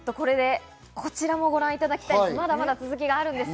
こちらもご覧いただきたいんです。